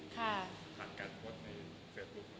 ผ่านการโพสต์ในเฟซบุ๊ค